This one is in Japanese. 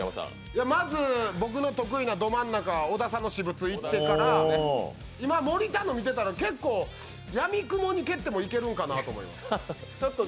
まず僕の得意など真ん中、小田さんの私物いってから今、森田の見てたら、結構、やみくもに蹴ってもいけるんかなと思います。